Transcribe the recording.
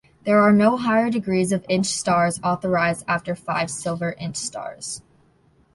There are no higher degrees of inch stars authorized after five silver inch stars.